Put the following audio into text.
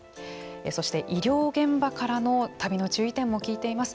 そして医療現場からの旅の注意点も聞いています。